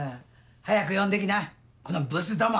早く呼んで来なこのブスども！